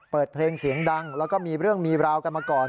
เปิดเพลงเสียงดังแล้วก็มีเรื่องมีราวกันมาก่อน